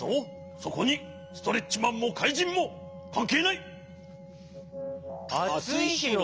そこにストレッチマンもかいじんもかんけいない。